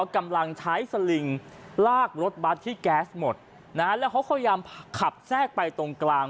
กำลังใช้สลิงลากรถบัตรที่แก๊สหมดนะฮะแล้วเขาพยายามขับแทรกไปตรงกลาง